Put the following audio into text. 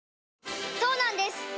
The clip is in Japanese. そうなんです